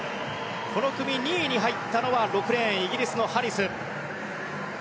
この組２位に入ったのは６レーン、ハリス。